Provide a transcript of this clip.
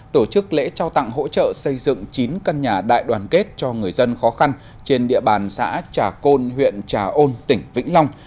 tổ chức lễ trao tặng hỗ trợ xây dựng chín căn nhà đại đoàn kết cho người dân khó khăn trên địa bàn xã trà côn huyện trà ôn tỉnh vĩnh long